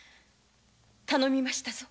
頼みましたぞ。